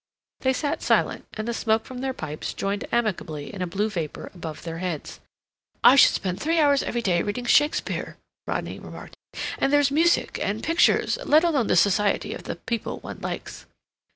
They sat silent, and the smoke from their pipes joined amicably in a blue vapor above their heads. "I could spend three hours every day reading Shakespeare," Rodney remarked. "And there's music and pictures, let alone the society of the people one likes."